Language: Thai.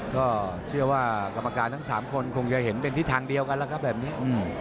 ก็เชื่อว่ากรรมการทั้ง๓คนคงจะเห็นเป็นทิศทางเดียวกันแล้วครับแบบนี้